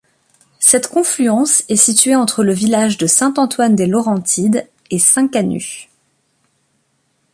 Cette confluence est située entre le village de Saint-Antoine-des-Laurentides et Saint-Canut.